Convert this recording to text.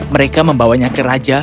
mereka membawanya ke raja